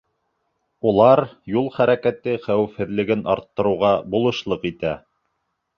Улар юл хәрәкәте хәүефһеҙлеген арттырыуға булышлыҡ итә.